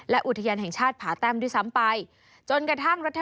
อุทยานแห่งชาติผาแต้มด้วยซ้ำไปจนกระทั่งรัฐ